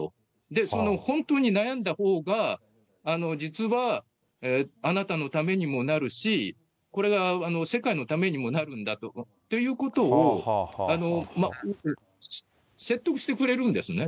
で、その本当に悩んだほうが、実は、あなたのためにもなるし、これが世界のためにもなるんだっていうことを、説得してくれるんですね。